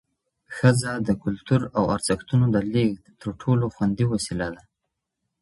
ښځه د کلتور او ارزښتونو د لېږد تر ټولو خوندي وسیله ده